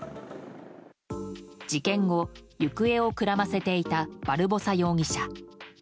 事件後、行方をくらませていたバルボサ容疑者。